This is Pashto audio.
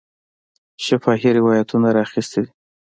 شفاهي روایتونه یې را اخیستي دي.